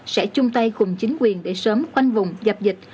sẽ chung tay cùng chính quyền để sớm khoanh vùng dập dịch